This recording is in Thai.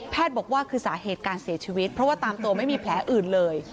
บอกว่าคือสาเหตุการเสียชีวิตเพราะว่าตามตัวไม่มีแผลอื่นเลย